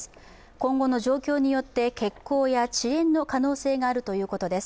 今後の状況によって欠航や遅延の可能性があるということです。